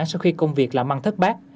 sau khi công việc là măng thất bác